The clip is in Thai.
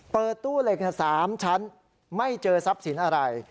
เปิดตู้เหล็ก๓ชั้นไม่เจอทรัพย์สินอะไร